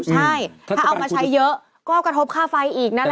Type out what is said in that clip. ใช่ถ้าเอามาใช้เยอะก็กระทบค่าไฟอีกนั่นแหละ